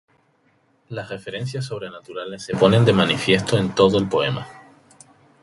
Las referencias sobrenaturales se ponen de manifiesto en todo el poema.